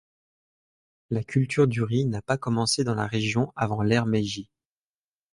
La culture du riz n'a pas commencé dans la région avant l'Ere Meiji.